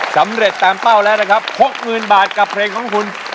สำเร็จตามเป้าแล้วนะครับ๖๐๐๐บาทกับเพลงของคุณ